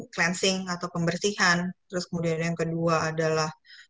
cleansing atau pembersihan terus kemudian yang kedua adalah